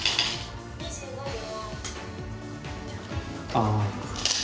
ああ。